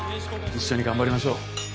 一緒に頑張りましょう